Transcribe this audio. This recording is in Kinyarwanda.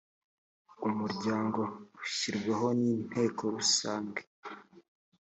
umuryango ushyirwaho n ‘inteko rusange .